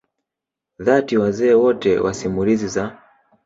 dhati wazee wote wa simulizi za